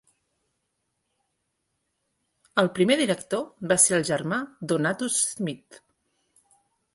El primer director va ser el Germà Donatus Schmitz.